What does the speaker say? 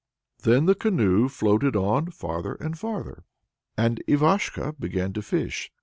Then the canoe floated on farther and farther, and Ivashko began to fish.